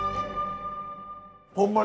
ほんまに！